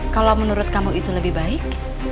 kalau menurut kamu itu lebih baik